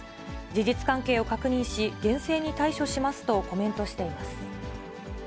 事実関係を確認し、厳正に対処しますとコメントしています。